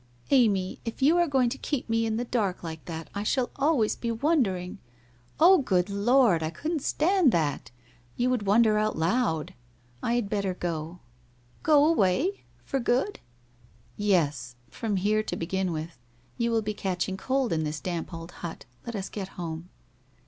* Amy, if you are going to keep me in the dark like that I shall always be wondering ' 'Oh, good Lord! I couldn't stand that. You would wonder out loud. I had better go.' ' Go away ? For good ?'* Yes. From here, to begin with. You will be catching cold in this damp old hut, let us get home.'